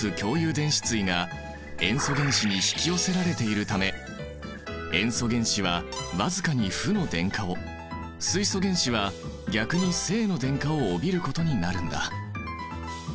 電子対が塩素原子に引き寄せられているため塩素原子はわずかに負の電荷を水素原子は逆に正の電荷を帯びることになるんだ。